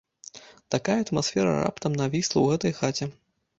Такая атмасфера раптам навісла ў гэтай хаце.